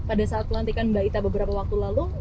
pada saat pelantikan mbak ita beberapa waktu lalu